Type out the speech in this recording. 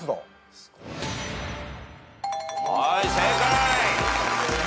はい正解。